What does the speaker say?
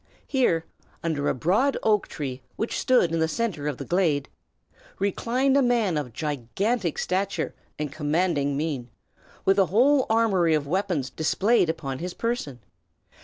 Here, under a broad oak tree which stood in the centre of the glade, reclined a man of gigantic stature and commanding mien, with a whole armory of weapons displayed upon his person.